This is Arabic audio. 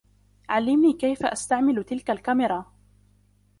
علمني كيف أستعمل تلك الكمرا.